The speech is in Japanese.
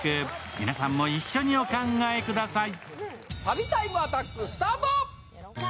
皆さんも一緒にお考えください。